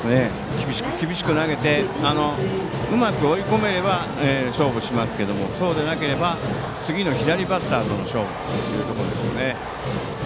厳しく厳しく投げてうまく追い込めれば勝負をしますがそうでなければ次の左バッターとの勝負というところでしょうね。